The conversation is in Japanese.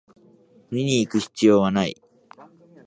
見にいく必要はない